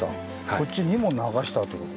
こっちにも流したってこと。